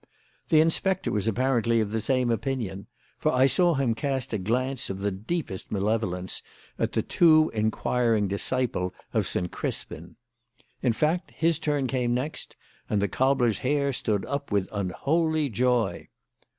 The inspector was apparently of the same opinion, for I saw him cast a glance of the deepest malevolence at the too inquiring disciple of St. Crispin. In fact, his turn came next, and the cobbler's hair stood up with unholy joy.